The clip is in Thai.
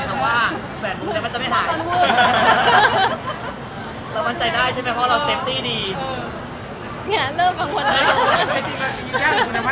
คือมันใจได้ใช่ไหมคะว่าแบบหูมันจะไม่หาย